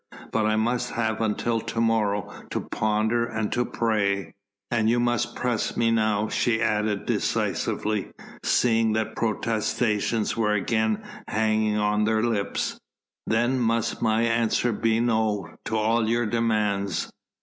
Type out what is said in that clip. But I must have until to morrow to ponder and to pray. An you must press me now," she added decisively, seeing that protestations were again hanging on their lips, "then must my answer be 'No!' to all your demands."